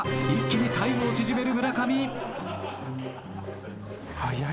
一気にタイムを縮める村上。